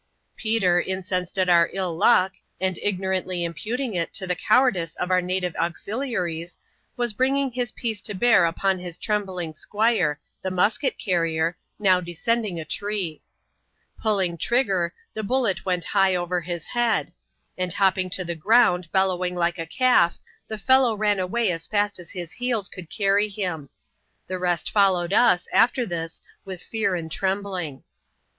Peter, incensed at our iU luck, on^L i^ww^tlY imputing it to the coTvrardice of our native ausaiotve^ ^^^ \«rva^^a%\a&^«A CSAP.I.TII.] THE SECOND HUNT IN THE MOXmTAINS. 221 to bear upon Ids trembling squire — the musket carrier — now descending a tree. Pulling trigger, the ballet went high over his head ; and hop* ping to the ground, bellowing like a calf, the fellow ran away as fast as his heels could carrj him. The rest followed us, after this, with fear and trembling.